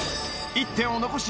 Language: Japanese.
１点を残し